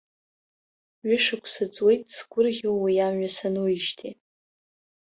Ҩышықәса ҵуеит сгәырӷьо уи амҩа сануижьҭеи.